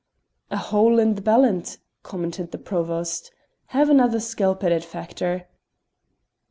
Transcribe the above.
"A hole in the ballant," commented the Provost. "Have another skelp at it, Factor."